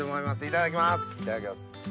いただきます。